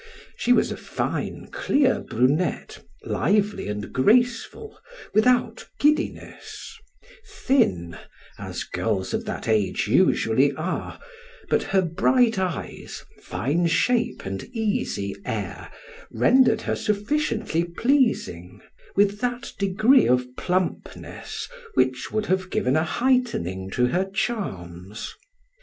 She was a fine clear brunette, lively and graceful, without giddiness; thin as girls of that age usually are; but her bright eyes, fine shape, and easy air, rendered her sufficiently pleasing with that degree of plumpness which would have given a heightening to her charms.